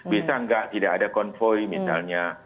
bisa gak tidak ada konvoy misalnya